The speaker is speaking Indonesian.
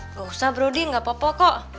gak usah broding gak apa apa kok